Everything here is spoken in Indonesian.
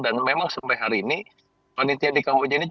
dan memang sampai hari ini panitia di kamboja ini